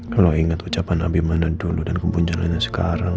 kalau ingat ucapan abimana dulu dan kebunjalannya sekarang